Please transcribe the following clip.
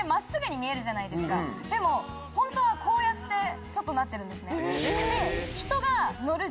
でもホントはこうやってちょっとなってるんですね。